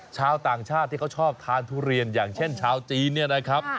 ชาวต่างชาติที่เขาชอบทานทุเรียนอย่างเช่นชาวจีนเนี่ยนะครับ